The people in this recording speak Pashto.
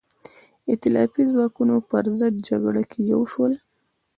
د ایتلافي ځواکونو پر ضد جګړه کې یو شول.